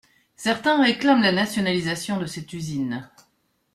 Certains réclament la nationalisation de cette usine.